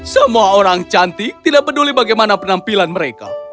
semua orang cantik tidak peduli bagaimana penampilan mereka